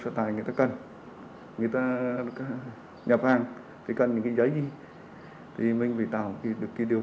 sở tài người ta cần người ta nhập hàng thì cần những cái giấy gì thì mình phải tạo được cái điều